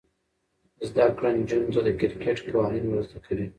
زده کړه نجونو ته د کرکټ قوانین ور زده کوي.